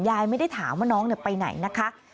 ยายไม่ได้ถามว่าน้องไปไหนนะคะ